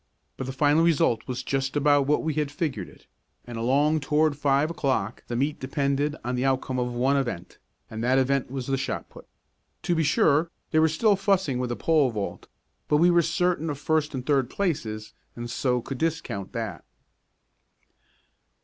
But the final result was just about what we had figured it, and along toward five o'clock the meet depended on the outcome of one event, and that event was the shot put. To be sure, they were still fussing with the pole vault, but we were certain of first and third places and so could discount that.